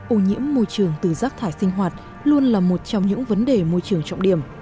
ô nhiễm môi trường từ rác thải sinh hoạt luôn là một trong những vấn đề môi trường trọng điểm